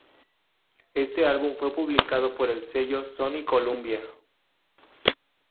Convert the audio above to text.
Este álbum fue publicado por el sello Sony-Columbia.